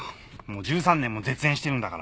もう１３年も絶縁してるんだから。